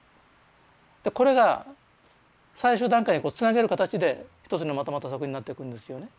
これが最終段階につなげる形で一つにまとまった作品になっていくんですよね。